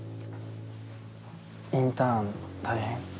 インターン大変？